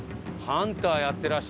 ハンターやっ